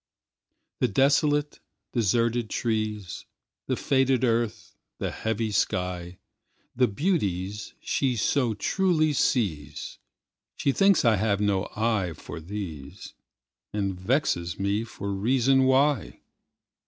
The desolate, deserted trees, The faded earth, the heavy sky, The beauties she so truly sees, She thinks I have no eye for these, And vexes me for reason why.